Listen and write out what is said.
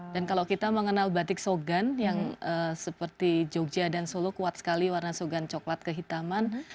dan kalau kita mengenal batik sogan yang seperti jogja dan solo kuat sekali warna sogan coklat kehitaman